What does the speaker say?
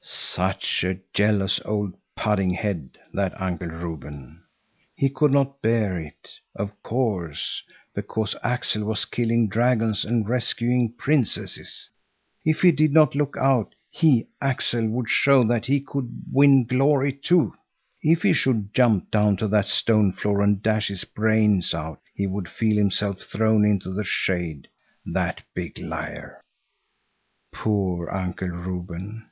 Such a jealous old pudding head, that Uncle Reuben! He could not bear it, of course, because Axel was killing dragons and rescuing princesses. If he did not look out, he, Axel, would show that he could win glory too. If he should jump down to that stone floor and dash his brains out, he would feel himself thrown into the shade, that big liar. Poor Uncle Reuben!